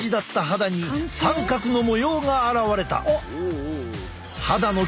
肌に三角の模様が現れた。